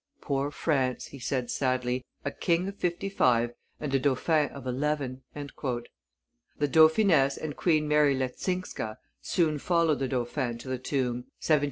"Poor France!" he said sadly, "a king of fifty five and a dauphin of eleven!" The dauphiness and Queen Mary Leczinska soon followed the dauphin to the tomb (1767 1768).